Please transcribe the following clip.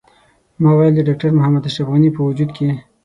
ما ویل د ډاکټر محمد اشرف غني په وجود کې.